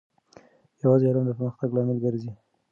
یوازې علم د پرمختګ لامل ګرځي.